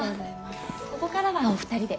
ここからはお二人で。